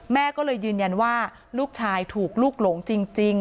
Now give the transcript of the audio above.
แม่ก็เลยยืนยันว่าลูกชายถูกลูกหลงจริง